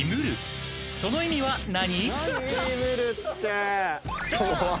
［その意味は何？］